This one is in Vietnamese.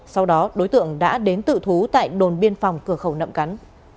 sau đó đối tượng đã đến tự thú tại đồn biên phòng cửa khẩu nậm cắn